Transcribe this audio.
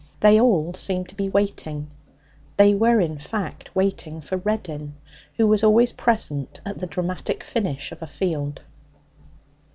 They all seemed to be waiting. They were, in fact, waiting for Reddin, who was always present at the dramatic finish of a field.